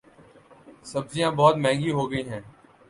سبزیاں بہت مہنگی ہوگئی ہیں